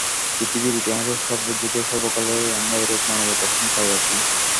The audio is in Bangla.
পৃথিবীর ইতিহাসের সর্বযুগে, সর্বকালেই আমরা এরূপ মানবের দর্শন পাইয়াছি।